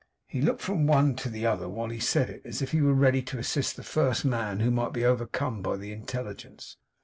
He looked from one to the other while he said it, as if he were ready to assist the first man who might be overcome by the intelligence.